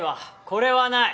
これはない。